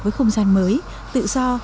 với không gian mới tự do